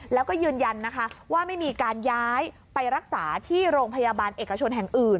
แล้วก็ยืนยันนะคะว่าไม่มีการย้ายไปรักษาที่โรงพยาบาลเอกชนแห่งอื่น